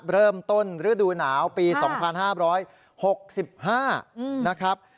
เริ่มต้นฤดูหนาวปีสองพันห้าร้อยหกสิบห้านะครับ